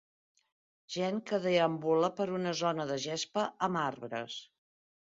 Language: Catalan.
Gent que deambula per una zona de gespa amb arbres.